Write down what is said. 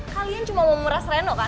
kalian cuma mau merasa reno kan